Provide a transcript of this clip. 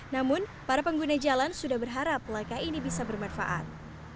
namun para pengguna jalan sudah berharap langkah ini bisa bermanfaat